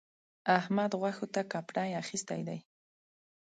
احمد؛ غوښو ته کپڼۍ اخيستی دی.